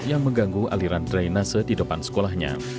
yang mengganggu aliran drainase di depan sekolahnya